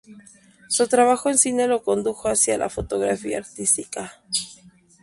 Su trabajo en cine lo condujo hacia la fotografía artística.